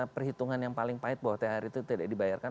perhitungan yang paling pahit bahwa thr itu tidak dibayarkan